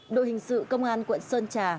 đội hình sự công an quận sơn trà